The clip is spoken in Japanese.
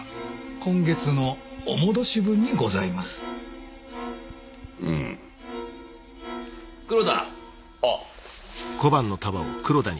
今月のお戻し分にございますうむ黒田はっ！